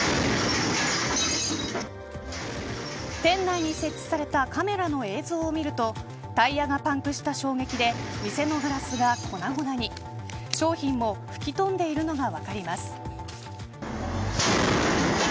店内に設置されたカメラの映像を見るとタイヤがパンクした衝撃で店のガラスが粉々に商品も吹き飛んでいるのが分かります。